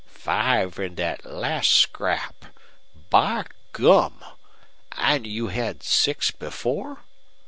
"Five in that last scrap! By gum! And you had six before?"